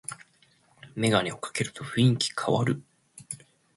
メガネかけると雰囲気かわる